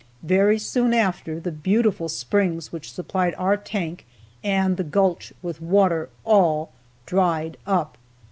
Very soon after, the beautiful springs which supplied our tank and the gulch with water, all dried up.